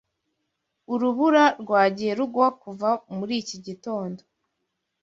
Urubura rwagiye rugwa kuva muri iki gitondo.